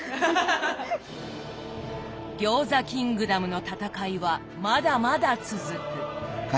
餃子キングダムの戦いはまだまだ続く。